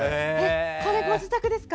これ、ご自宅ですか？